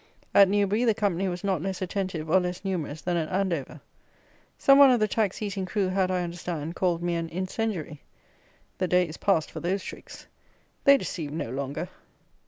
At Newbury the company was not less attentive or less numerous than at Andover. Some one of the tax eating crew had, I understand, called me an "incendiary." The day is passed for those tricks. They deceive no longer.